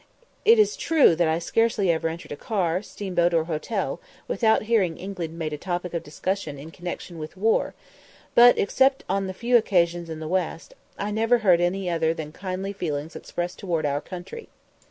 It is true that I scarcely ever entered a car, steamboat, or hotel, without hearing England made a topic of discussion in connexion with the war; but, except on a few occasions in the West, I never heard any other than kindly feelings expressed towards our country.